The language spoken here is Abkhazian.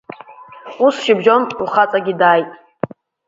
Ус шьыбжьон лхаҵагьы дааит.